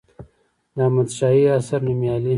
د احمدشاهي عصر نوميالي